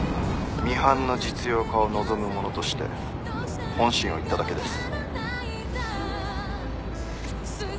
ミハンの実用化を望む者として本心を言っただけです。